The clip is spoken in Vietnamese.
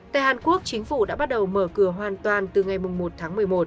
tại hàn quốc chính phủ đã bắt đầu mở cửa hoàn toàn từ ngày một tháng một mươi một